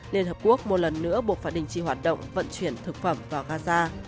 liên hợp quốc một lần nữa buộc phải đình chỉ hoạt động vận chuyển thực phẩm vào gaza